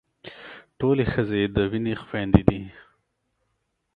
ټولې ښځې د وينې خويندې دي.